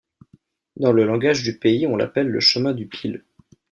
Dans le langage du pays on l'appelle le chemin du Pile.